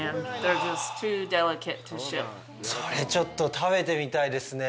それちょっと、食べてみたいですね。